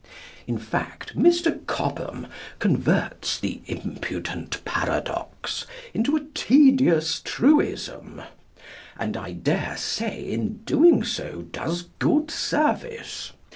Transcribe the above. In fact, Mr. Cobbam converts the impudent paradox into a tedious truism, and, I dare say, in doing so does good service.